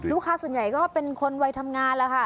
ลูกค้าส่วนใหญ่ก็เป็นคนวัยทำงานแล้วค่ะ